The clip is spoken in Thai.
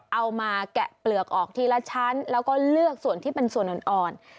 มาแกะเปลือกออกทีละชั้นแล้วก็เลือกส่วนที่เป็นส่วนอ่อน